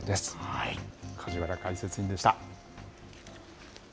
はい梶原解説委員でした。